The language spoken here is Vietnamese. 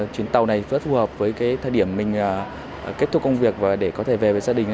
chuyến tàu này rất phù hợp với thời điểm mình kết thúc công việc và để có thể về với gia đình